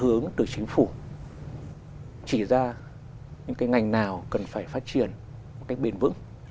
hướng từ chính phủ chỉ ra những cái ngành nào cần phải phát triển một cách bền vững